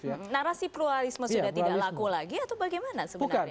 narasi pluralisme sudah tidak laku lagi atau bagaimana sebenarnya